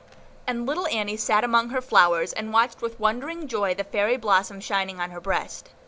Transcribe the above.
And little Annie sat among her flowers, and watched with wondering joy the fairy blossom shining on her breast.